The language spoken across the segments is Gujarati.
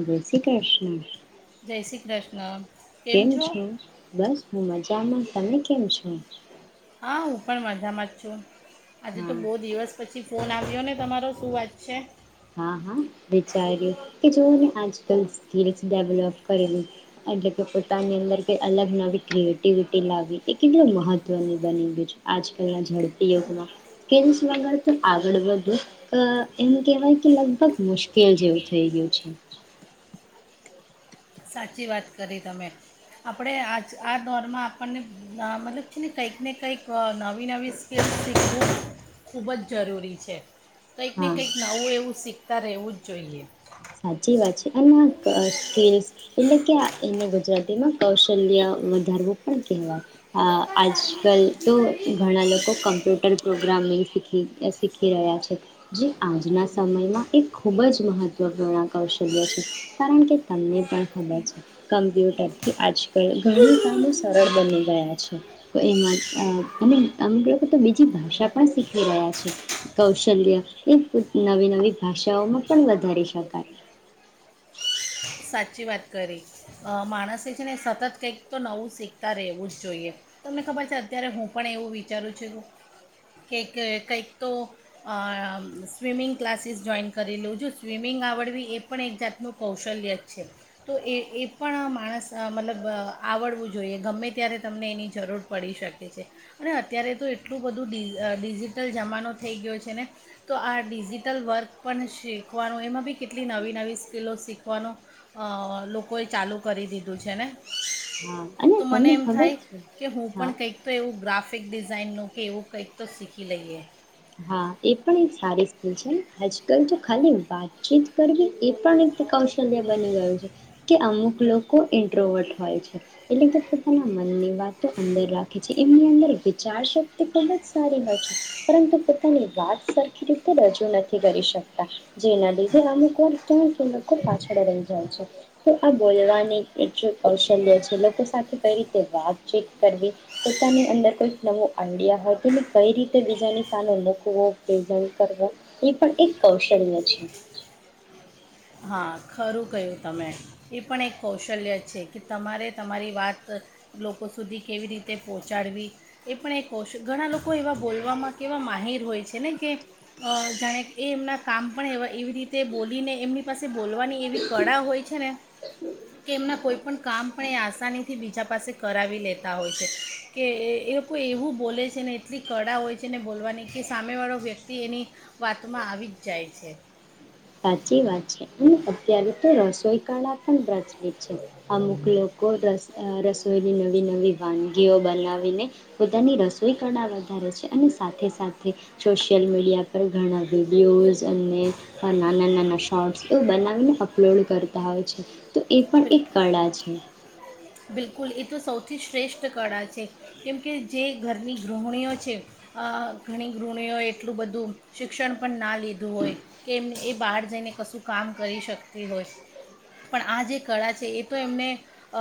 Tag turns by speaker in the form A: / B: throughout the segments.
A: જય શ્રી કૃષ્ણ
B: શિકૃષ્ણ
A: કેમ છો બસ હું મજામાં તમને કેમ છો
B: હા હું પણ મજામાં જ છું. આજે તો
A: હા
B: બહુ દિવસ પછી ફોન આવ્યો ને તમારો શું વાત છે.
A: હા હા વિચાર્યું કે જોઓને આજકાલ સ્કીલસ ડેવલપ કરલુ એટલે કે પોતાની અંદર કઈ અલગ નવી ક્રિએટિવિટી લાવવી એ કેટલી મહત્વની બની ગયું છે આજકાલના ઝડપી યુગમાં [unintelligible] વગર તો આગળ વધુંવુ એમ કેહેવાય લગભગ મુશ્કેલ જેવું થઇ ગયું છે.
B: સાચી વાત કરી તમે આપણે આજ આ દોરમાં આપણને મતલબ છે ને કંઈક ને કંઈક નવી નવી [inaudible] શીખવું ખૂબ જ જરૂરી છે. કંઈક ને
A: હા
B: કંઈક નવું એવું શીખતા રહેવું જ જોઈએ.
A: સાચી વાત છે અને [unintelligible] એટલે કે એને ગુજરાતીમાં કૌશલ્ય વધારવું પણ કહેવાય અ આજકાલ તો ઘણા લોકો કમ્પ્યુટર પ્રોગ્રામિંગ શીખી શીખી રહ્યા છે જે આજના સમયમાં એ ખૂબ જ મહત્ત્વ [unintelligible] કૌશલ્ય છે કારણ કે તમને પણ ખબર છે કમ્પ્યુટરથી આજકાલ ઘણા કામો સરળ બની ગયા છે તો એમાં અ [unintelligible] તો બીજી ભાષા પણ શીખી રહ્યા છે કૌશલ્ય એ નવી નવી ભાષાઓમાં પણ વધારી [unintelligible]
B: સાચી વાત કરી અ માણસે છે ને સતત કંઈક તો નવું શીખતા રહેવું જ જોઈએ તમને ખબર છે અત્યારે હું પણ એવું વિચારું છું કેક કંઈક તો અ સ્વિમિંગ ક્લાસીસ જોઈન કરી લેઉં છું જો સ્વિમિંગ આવડવી એ પણ એક જાતનું કૌશલ્ય.. છે તો એ એ પણ માણસ મતલબ આવડવું જોઈએ ગમે ત્યારે તમને એની જરૂર પડી શકે છે અને અત્યારે તો એટલું બધું ડિ ડિજિટલ જમાનો થઈ ગયો છે ને તો આ ડિજિટલ વર્ક પણ શીખવાનું એમાં બી કેટલી નવી નવી સ્કિલો શીખવાનું.. અ લોકોએ ચાલુ કરી દીધું છે ને
A: હા અને
B: તો મને
A: તમને
B: એમ
A: ખબર
B: થાય
A: છે
B: કે હું પણ
A: હા
B: કંઈક તો એવું ગ્રાફ કફિક ડિઝાઇનનું કે એવું કંઈક તો શીખી લઈએ.
A: હા એ પણ એક સારી સ્કીલ છે આજકાલ તો ખાલી વાતચીત કરવી એ પણ એક કૌશલ્ય બની ગયું છે કે અમુક લોકો ઇન્ટ્રોવર્ટ હોય છે એટલે કે પોતાના મનની વાતો અંદર રાખે છે એમની અંદર વિચાર શક્તિ ખુબ જ સારી હોય છે પરંતુ વાત સરખી રીતે રજૂ નથી કરી શકતા જેના લીધે અમુક વાર [unintelligible] લોકો પાછળ રહી જાય છે તો આ બોલવાની જે કૌશલ્ય છે લોકો સાથે કઈ રીતે વાતચીત કરવી પોતાની અંદર કોઈક નવું આઈડિયા હોય તેને કઈ રીતે બીજાની સામે મૂક કુ યુ કે જેમ કરવ એ પણ એક કૌશલ્ય છે
B: હા ખરું કહ્યું તમે એ પણ એક કૌશલ્ય છે કે તમારે તમારી વાત લોકો સુધી કેવી રીતે પહોંચાડવી એ પણ એક કૌશ ઘણા લોકો એવા બોલવામાં કે એવા માહિર હોય છે ને કે જાણે એ એમના કામ પણ એવા એવી રીતે બોલીને એમની પાસે બોલવાની એવી કળા હોય છે ને કે એમના કોઈ પણણ કામ પણ એ આસાનીથી બીજા પાસે કરાવી લેતા હોય છે કે એ એ લોકો એવું બોલે છે ને એટલી કળા હોય છે ને બોલવાની કે સામેવાળો વ્યક્તિ એની વાતમાં આવી જ જાય છે.
A: સાચી વાત છે અને અત્યારે તો રસોઈ કળા પણ પ્રચલિત છે અમુક લોકો રસ રસોઈની નવી નવી વાનગીઓ બનાવીને પોતાની રસોઈ કળા વધારે છે અને સાથે સાથે સોશિયલ મીડિયા પર ઘણા વિડીયોઝ અને નાના નાના શોર્ટ્સ તો બનાવીને અપલોડ કરતા હોય છે. તો એ પણ
B: બિલ-
A: એક કળા છે.
B: બિલકુલ એ તો સૌથી શ્રેષ્ઠ કળા છે કેમ કે જે ઘરની ગૃહિણીઓ છે અ ઘણી ગૃહિણીઓએ એટલું બધું શિક્ષણ પણ ના લીધું હોય કે એમ એ બહાર જઈને કશું કામ કરી શકતી હોય પણ આ જે કળા છે એ તો એમને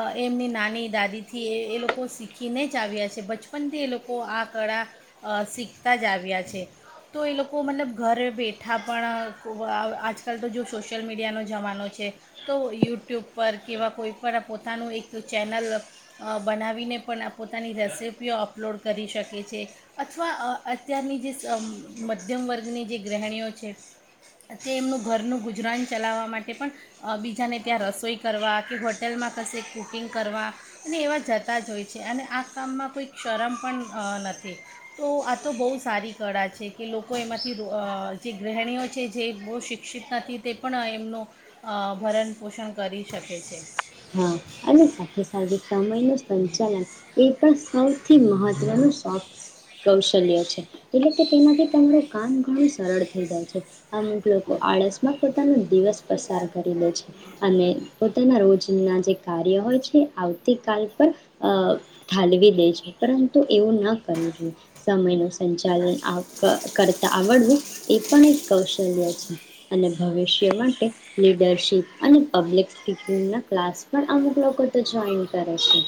B: અ એમની નાની દાદીથી એ એ લોકો શીખીને જ આવ્યા છે બચપનથી એ લોકો આ કળા શીખતા જ આવ્યા છે તો એ લોકો મતલબ ઘરે બેઠા પણ કો આજકાલ તો જો સોશિયલ મીડિયાનો જમાનો છે તો યુટ્યુબ પર કેવા કોઈ પણ પોતાનું એક તો ચેનલ બનાવીને પણ આ પોતાની રેસીપીઓ અપલોડ કરી શકે છે અથવા અ અત્યારની જે મધ્યમ વર્ગની જે ગૃહણીઓ છે તે એમનું ઘરનું ગુજરાન ચલાવવા માટે પણ બીજાને ત્યાં રસોઈ કરવા કે હોટેલમાં કશે કુકિંગ કરવા અને એવા જતા જ હોય છે અને આ કામમાં કોઈ શરમ પણ નથી તો આ તો બહુ સારી કળા છે કે લોકો એમાંથી જે ગૃહિણીઓ છે જે બહુ શિક્ષિત નથી તે પણ એમનું અ ભરણ પોષણ કરી શકે છે.
A: હા અને સાથે સાથે સમય ન સંચાલન એ પણ સૌથી મહત્વનું સોફ્ટ કૌશલ્ય છે એટલે કે તેમાંથી તમારું કામ ઘણું સરળ થઈ જાય છે અમુક લોકો આળસમાં પોતાનો દિવસ પસાર કરી લે છે અને પોતાના રોજ ના જે કાર્ય હોય છે આવતીકાલ પર અ ઠાલવી દે છે પરંતુ એવું ન કરવું જોઈએ સમયનું સંચાલન આ કરતા આવડવું એ પણ એક કૌશલ્ય છે અને ભવિષ્ય માટે લીડરશીપ અને પબ્લિક સ્પીિંગના ક્લાસ પણ અમુક લોકો તો જોઈન કરે છે.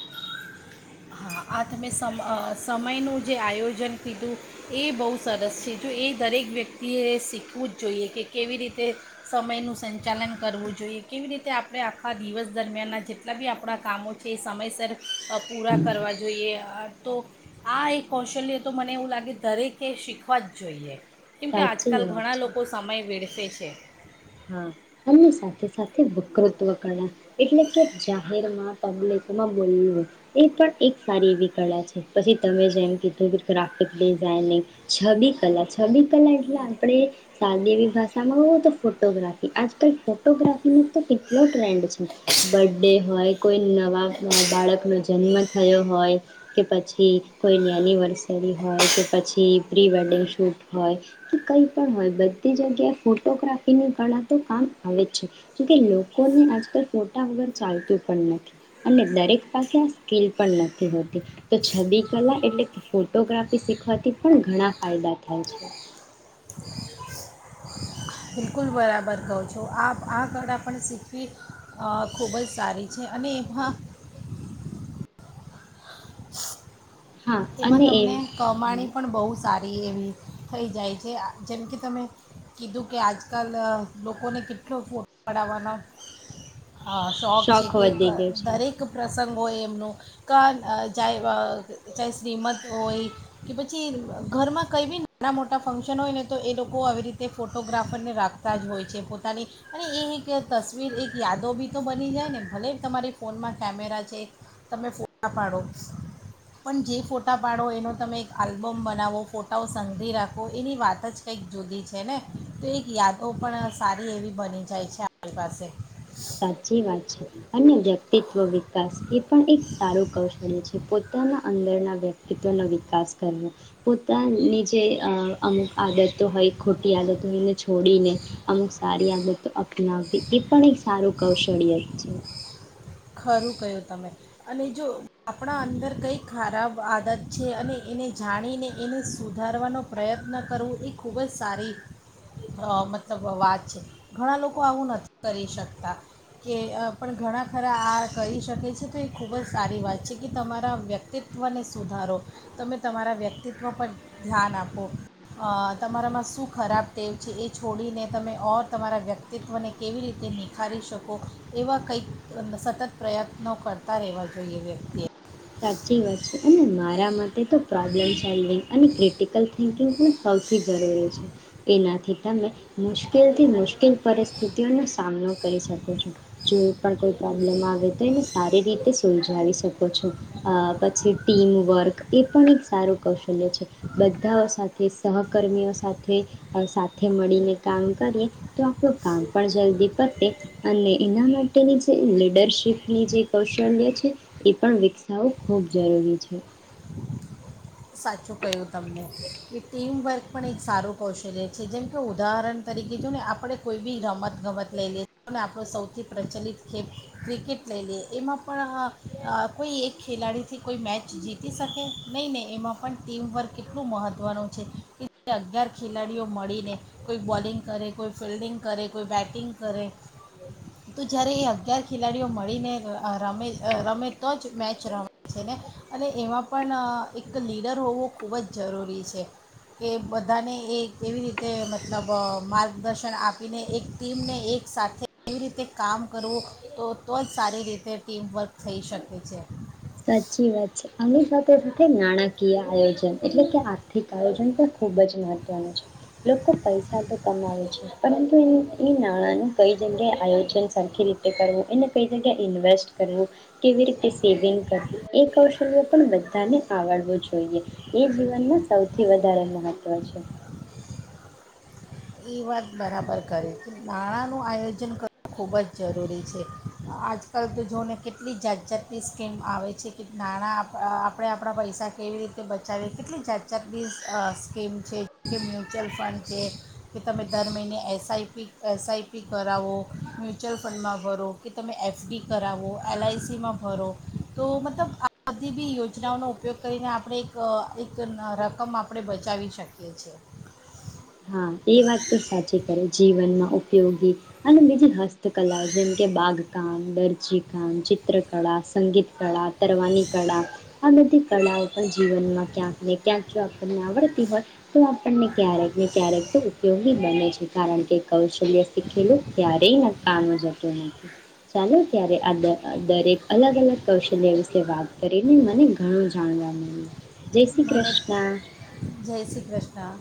B: હા આ તમે સમ અ સમયનું જે આયોજન કીધું એ બહુ સરસ છે જો એ દરેક વ્યક્તિએ શીખવું જ જોઈએ કે કેવી રીતે સમયનું સંચાલન કરવું જોઈએ કેવી રીતે આપણે આખા દિવસ દરમિયાનના જેટલા બી આપણાં કામો છે એ સમયસર અ પૂરા કરવા જોઈએ. આ તો આ એક કૌશલ્ય તો મને એવું લાગે દરેકે શીખવા જ જોઈએ. કેમ કે
A: સાચી
B: આજકાલ
A: વાત
B: ઘણા
A: છે
B: લોકો સમય વેડ [inaudible] છે
A: હા અને સાથે સાથે વકૃત્વ કળા એટલે કે જાહેરમાં પબ્લિકમાં બોલવું એ પણ એક સારી એવી કળા છે પછી તમે જેમ કીધું કે ગ્રાફિક ડિઝઇનિંગ છબી કલા છબી કલા એટલે આપણે સાદી એવી ભાષામાં હો તો ફોટોગ્રાફી આજકાલ ફોટોગ્રાફીનો તો કેટલો ટ્રેન્ડ છે બર્થ ડે હોય કોઈ નવા બાળકનો જન્મ થયો હોય કે પછી કોઈની એનિવર્સરી હોય કે પછી પ્રી વેડિંગ શૂટ હોય કે કંઈ પણ હોય બધી જગ્યાએ ફોટોગ્રાફી ની કળા તો કામ આવે છે કેમ કે લોકોને આજકાલ ફોટા વગર ચાલતું પણ નથી અને દરેક પાસે આ સ્કીલ પણ નથી હોતી તો છબી કલા એટલે કે ફોટોગ્રાફી શીખવાથી પણ ઘણા ફાયદા થાય છે.
B: બિલકુલ બરાબર કહું છો આ આ કળા પણ શીખવી ખૂબ જ સારી છે. અને [inaudible] હા
A: હા
B: એમાં
A: અને એ
B: તમને કમાણી પણ બહુ સારી એવી થઈ જાય છે જેમ કે તમે કીધું કે આજકાલ લોકોને કેટલો ફોટો પાડાવવાના અ શોખ છે કે
A: વધી ગયો છે
B: દરેક પ્ર સંગ હો એમનું ક જાય ચાહે શ્રીમત હોય કે પછી ઘરમાં કંઈ બી નાના મોટા ફંક્શન હોય ને તો એ લોકો આવી રીતે ફોટોગ્રાફરને રાખતા જ હોય છે પોતાની અને એ એક તસવીર એક યાદો બી તો બની જાય ને ભલે તમારી ફોનમાં કેમેરા છે તમે ફોટા પાડો પણ જે ફોટા પાડો એનો તમે એક આલ્બમ બનાવો ફોટાઓ સંધી રાખો એની વાત જ કંઈક જુદી છે ને તો એક યાદો પણ સારી એવી બની જાય છે આપણી પાસે
A: સાચી વાત છે અને વ્યક્તિત્વ વિકાસ એ પણ એક સારું કૌશલ્ય છે પોતાના અંદરના વ્યક્તિત્વનો વિકાસ કરવો પોતાની જે અમુક આદતો હોય ખોટી આદતોય એને છોડીને અમુક સારી આદતો અપનાવવી એ પણ એક સારું કૌશળિય જ છે.
B: ખરું કહ્યું તમે અને જો આપણા અંદર કંઈ ખરાબ આદત છે અને એને જાણીને એને સુધારવાનો પ્રયત્ન કરવો એ ખૂબ જ સારી મતલબ વાત છે ઘણા લોકો આવું નથી કરી શકતા કે પણ ઘણા ખરા આ કરી શકે છે તો એ ખૂબ જ સારી વાત છે કે તમારા વ્યક્તિત્વને સુધારો તમે તમારા વ્યક્તિત્વ પર ધ્યાન આપો તમારામાં શું ખરાબ ટેવ છે એ છોડીને તમે ઓર તમારા વ્યક્તિત્વને કેવી રીતે નિખારી શકો એવા કંઈક સતત પ્રયત્નો કરતા રહેવા જોઈએ વ્યક્તિએ
A: સાચી વાત છે અને મારા માટે તો પ્રોબ્લમ સોલ્વિંગ અને ક્રિટિકલ થિંકિંગ પણ સૌથી જરૂરી છે તેનાથી તમે મુશ્કેલથી મુશ્કેલ પરિસ્થિતિઓનો સામનો કરી શકો છો જોઈ પણ કોઈ પ્રોબ્લમ આવે તો એને સારી રીતે સુલઝાવી શકો છો અ પછી ટીમવર્ક એ પણ એક સારું કૌશલ્ય છે બધાઓ સાથે સહકર્મીઓ સાથે સાથે મળીને કામ કરીએ તો આપણું કામ પણ જલ્દી પતે અને એના માટેની જે લીડરશીપની જે કૌશલ્ય છે એ પણ વિકસ થવું ખૂબ જરૂરી છે
B: સાચું કહ્યું તમને કે ટીમવર્ક પણ એક સારું કૌશલ્ય છે જેમ કે ઉદાહરણ તરીકે જો ને આપણે કોઈ બી રમતગમત લઈ લઈએ ને આપણો સૌથી પ્રચલિત ખેલ ક્રિકેટ લઈ લઈએ એમાં પણ કોઈ એક ખેલાડીથી કોઈ મેચ જીતી શકે નહીં નનેં એમાં પણ ટીમવર્ક એટલું મહત્ત્વનું છે કે અગિયાર ખેલાડીઓ મળીને કોઈ બોલિંગ કરે કોઈ ફિલ્ડિંગ કરે કોઈ બેટિંગ કરે તો જ્યારે એ અગિયાર ખેલાડીઓ મળીને રમે રમે તો જ મેચ રમે છે ને અને એમાં પણ એક એક લીડર હોવો ખૂબ જ જરૂરી છે કે બધાને એ કેવી રીતે મતલબ માર્ગદર્શન આપીને એક ટીમને એક સાથે કેવી રીતે કામ કરવું તો તો જ સારી રીતે ટીમવર્ક થઈ શકે છે
A: સાચી વાત છે આની સાથે સાથે નાણાંકીય આયોજન એટલે કે આર્થિક આયોજન પણ ખૂબ જ મહત્વનું છે લોકો પૈસા તો કમાવે છે પરંતુ એ એ નાણાંનું કઈ જગ્યાએ આયોજન સરખી રીતે કરવું એને કઈ જગ્યાએ ઇન્વેસ્ટ કરવું કેવી રીતે સેવિંગ પછી એ કૌશલ્ય પણ બધાને આવડવું જોઈએ એ જીવનમાં સૌથી વધારે મહત્વ છે.
B: એ વાત બરાબર કરે છે, નાણાંનું આયોજન કરવું ખૂબ જ જરૂરી છે, આજકાલ તો જોને કેટલી જાત જાતની સ્કીમ આવે છે કે નાણાં આ આપણે આપણા પૈસા કેવી રીતે બચાવીએ કેટલી જાત જાતની અ સ્કીમ છે, જે મ્યુચ્યુઅલ ફંડ છે. કે તમે દર મહિને S I P S I P કરાવો, મ્યુચ્યુઅલ ફંડમાં ભરો કે તમે એફ ડી કરાવો, એલ આઈ સીમાં ભરો, તો મતલબ આ બધી બી યોજનાઓનો ઉપયોગ કરીને આપણે એક એક રકમ આપણે બચાવી શકીએ છીએ.
A: હા એ વાત તો સાચી કરે જીવનમાં ઉપયોગી અને બીજી હસ્તકલાઓ જેમ કે બાગકામ, દરજીકામ, ચિત્રકળા, સંગીત કળા, તરવાની કળા આ બધી કળાઓ પણ જીવનમાં ક્યાંક ને ક્યાંક જો આપણને આવડતી હોય તો આપણને ક્યારેક ને ક્યારેક ઉપયોગી બને છે, કારણ કે કૌશલ્ય શીખેલું ક્યારેય નકામુ જતું નથી, ચાલો ત્યારે આ દર દરેક અલગ અલગ કૌશલ્ય વિશે વાત કરીને મને ઘણું જાણવા મળ્યું. જય શ્રી
B: મને પણ
A: કૃષ્ણ
B: જય શ્રી ક્રષ્ણ.